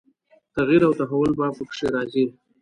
تغییر او تحول به په کې راځي.